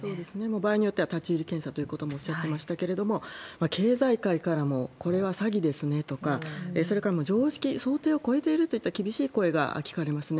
場合によっては立ち入り検査ということもおっしゃってましたけれども、経済界からもこれは詐欺ですねとか、それから常識、想定を超えているといった厳しい声が聞かれますね。